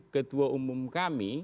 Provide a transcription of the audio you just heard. ketua umum kami